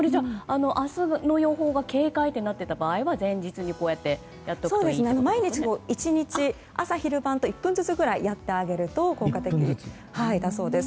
朝の予報で警戒となっていた場合は毎日朝昼晩と１分ずつくらいやってあげると効果的だそうです。